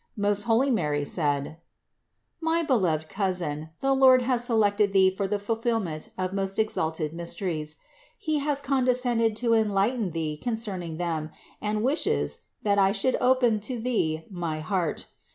Most holy Mary said : "My beloved cousin, the Lord has selected Thee for the fulfillment of most exalted mysteries. He has con descended to enlighten thee concerning them and wishes, that I should open to thee my heart.